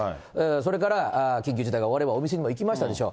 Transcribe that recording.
それから、緊急事態が終わればお店にも行きましたでしょ。